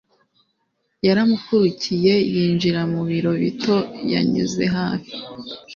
yaramukurikiye yinjira mu biro bito. yanyuze hafi